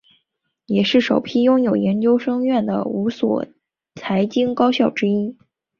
也是首批拥有研究生院的五所财经高校之一。